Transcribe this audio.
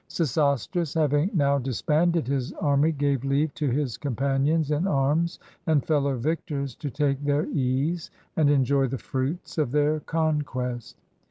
Sesostris, having now disbanded his army, gave leave to his companions in arms and fellow victors to take their ease and enjoy the fruits of their conquest.